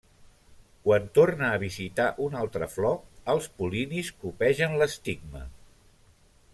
Quan torna a visitar una altra flor els pol·linis copegen l'estigma.